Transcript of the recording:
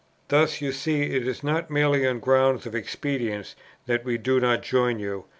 "Thus, you see, it is not merely on grounds of expedience that we do not join you.